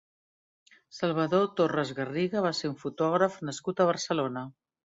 Salvador Torres Garriga va ser un fotògraf nascut a Barcelona.